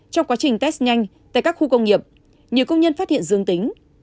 trong quá trình test nhanh tại các khu công nghiệp nhiều công nhân phát hiện dương tính